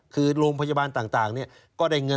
คือโรงพยาบาลต่าง